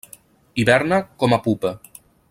Hiberna com a pupa.